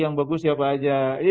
yang bagus siapa aja